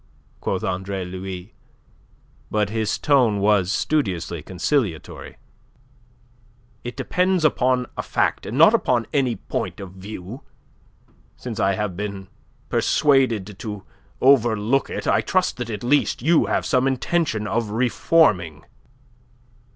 quoth Andre Louis, but his tone was studiously conciliatory. "It depends upon a fact, and not upon any point of view. Since I have been persuaded to overlook it, I trust that at least you have some intention of reforming."